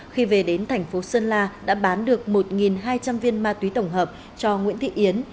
khi về đến thành phố sơn la đã bán được một hai trăm linh viên ma túy tổng hợp cho nguyễn thị yến